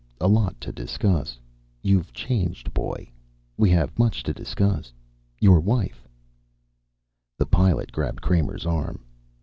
A lot to discuss. You've changed, boy. We have much to discuss. Your wife " The Pilot grabbed Kramer's arm.